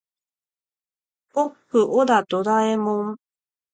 おっふオラドラえもん